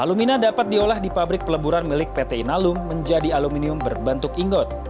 aluminium yang diolah di pabrik peleburan milik pt inalum menjadi aluminium berbentuk ingot bilet dan juga aloi